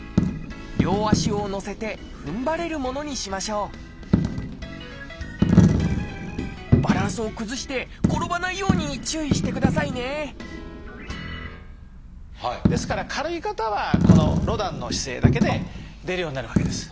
両足を乗せてふんばれるものにしましょうバランスを崩して転ばないように注意してくださいねですから軽い方はこのロダンの姿勢だけで出るようになるわけです。